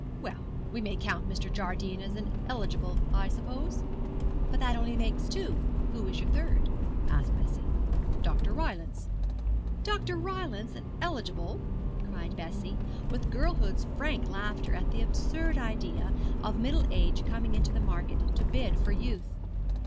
'Well, we may count Mr. Jardine as an eligible, I suppose?' 'But that only makes two. Who is your third?' asked Bessie. 'Dr. Rylance.' 'Dr. Rylance an eligible?' cried Bessie, with girlhood's frank laughter at the absurd idea of middle age coming into the market to bid for youth.